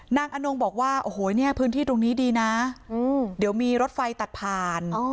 อนงบอกว่าโอ้โหเนี่ยพื้นที่ตรงนี้ดีนะเดี๋ยวมีรถไฟตัดผ่าน